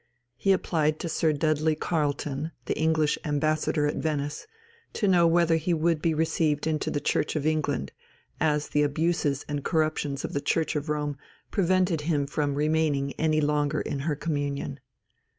He applied to Sir Dudley Carleton, the English Ambassador at Venice, to know whether he would be received into the Church of England, as the abuses and corruptions of the Church of Rome prevented him from remaining any longer in her communion.